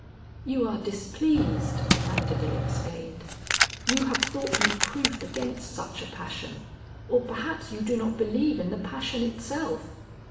"You are displeased," Mandeville exclaimed. "You have thought me proof against such a passion, or perhaps you do not believe in the passion itself!"